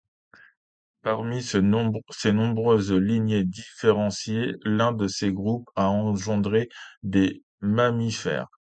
Parmi ces nombreuses lignées différenciées, l'un de ces groupes a engendré des mammifères.